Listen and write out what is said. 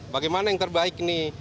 bagaimana yang terbaik ini